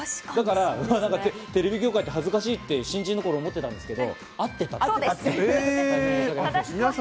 テレビ業界って恥ずかしいって新人の頃思ってたんですけれども、合ってたんですね。